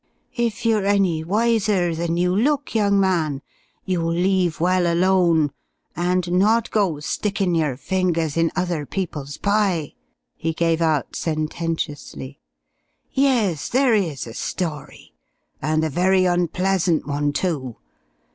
"If you're any wiser than you look, young man, you'll leave well alone, and not go stickin' your fingers in other peoples' pie!" he gave out sententiously. "Yes, there is a story and a very unpleasant one, too.